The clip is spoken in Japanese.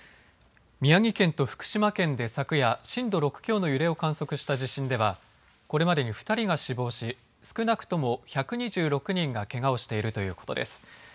宮城県と福島県で昨夜、震度６強の揺れを観測した地震ではこれまでに２人が死亡し、少なくとも１２６人がけがをしているということです。